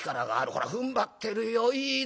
ほらふんばってるよ。いいな。